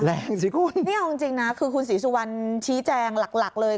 สิคุณนี่เอาจริงนะคือคุณศรีสุวรรณชี้แจงหลักหลักเลย